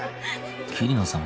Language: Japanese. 桐野さん